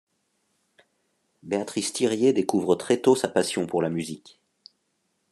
Béatrice Thiriet découvre très tôt sa passion pour la musique.